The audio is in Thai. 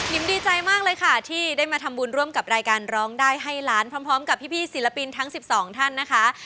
ดีใจมากเลยค่ะที่ได้มาทำบุญร่วมกับรายการร้องได้ให้ล้านพร้อมกับพี่ศิลปินทั้ง๑๒ท่านนะคะ